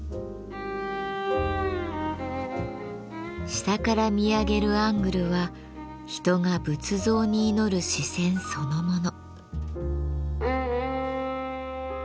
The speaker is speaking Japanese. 下から見上げるアングルは人が仏像に祈る視線そのもの。